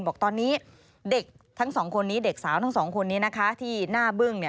บอกตอนนี้เด็กสาวทั้งสองคนนี้นะคะที่หน้าเบื้อง